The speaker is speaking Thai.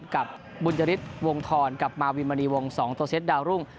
กับบุญจริตวงธรกับมาวินมณีวง๒ตัวเซ็ตดาวรุ่ง